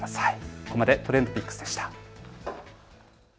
ここまでＴｒｅｎｄＰｉｃｋｓでした。